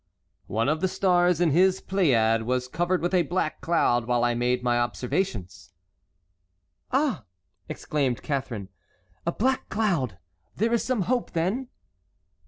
"One of the stars in his pleiad was covered with a black cloud while I made my observations." "Ah!" exclaimed Catharine, "a black cloud—there is some hope, then?"